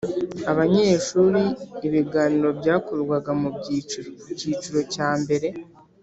abanyeshuri Ibiganiro byakorwa mu byiciro Icyiciro cya mbere